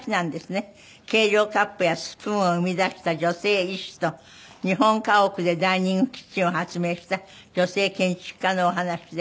計量カップやスプーンを生み出した女性医師と日本家屋でダイニングキッチンを発明した女性建築家のお話で。